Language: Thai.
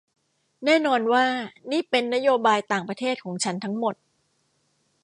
แน่นอนว่านี่เป็นนโยบายต่างประเทศของฉันทั้งหมด